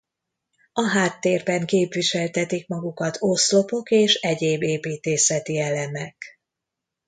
A háttérben képviseltetik magukat oszlopok és egyéb építészeti elemek.